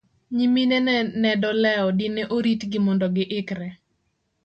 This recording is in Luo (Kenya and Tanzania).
nyiminene ne do lewo dine oritgi mondo gi ikre